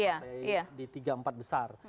partai di tiga empat besar